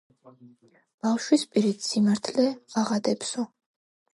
ბავშვის პირით სიმართლე ღაღადებსო